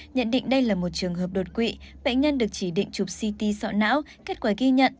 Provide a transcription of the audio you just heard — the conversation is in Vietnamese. nhận định đây là một trường hợp đột quỵ bệnh nhân được chỉ định chụp ct sọ não kết quả ghi nhận